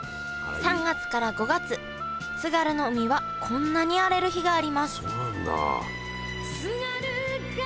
３月から５月津軽の海はこんなに荒れる日がありますそうなんだ。